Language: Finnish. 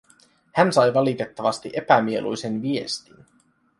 Hän sai valitettavasti epämieluisen viestin.